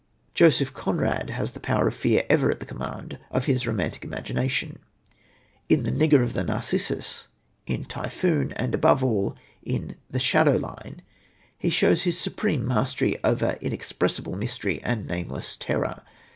Joseph Conrad has the power of fear ever at the command of his romantic imagination. In The Nigger of the Narcissus, in Typhoon, and, above all, in The Shadow Line, he shows his supreme mastery over inexpressible mystery and nameless terror.